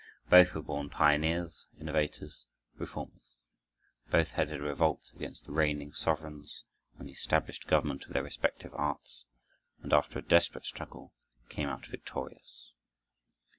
Both were born pioneers, innovators, reformers. Both headed a revolt against the reigning sovereigns and the established government of their respective arts and after a desperate struggle came out victorious.